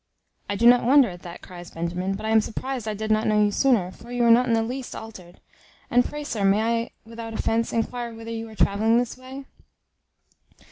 "I do not wonder at that," cries Benjamin; "but I am surprized I did not know you sooner, for you are not in the least altered. And pray, sir, may I, without offence, enquire whither you are travelling this way?"